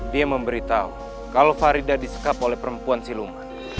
dia memberitahu kalau farida disekap oleh perempuan siluman